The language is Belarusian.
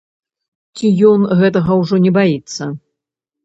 Ці ён гэтага ўжо не баіцца?